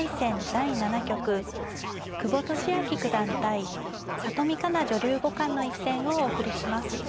第７局久保利明九段対里見香奈女流五冠の一戦をお送りします。